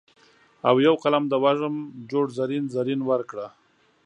او یو قلم د وږم جوړ زرین، زرین ورکړه